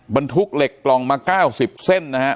บรรทุกเหล็กกล่องมา๙๐เส้นนะฮะ